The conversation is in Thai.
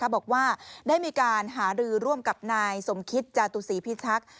บอกว่าได้มีการหารือร่วมกับนายสมคิตจาตุศีพิทักษ์